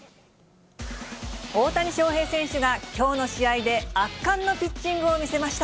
大谷翔平選手が、きょうの試合で圧巻のピッチングを見せました。